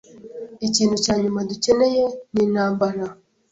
Ikintu cya nyuma dukeneye ni intambara.